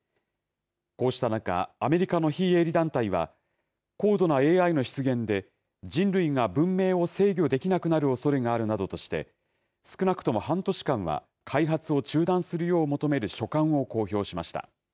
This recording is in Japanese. こうした中アメリカの非営利団体は高度なＡＩの出現で人類が文明を制御できなくなるおそれがあるなどとして少なくとも半年間は開発を中断するよう求める書簡を公表しました。